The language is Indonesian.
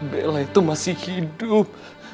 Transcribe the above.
bella itu masih hidup